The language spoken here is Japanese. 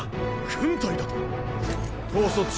軍隊だと⁉統率者は？